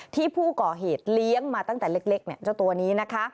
ที่ผู้ก่อเหตุเลี้ยงมาตั้งแต่เล็กเจ้าตัวนี้นะคะ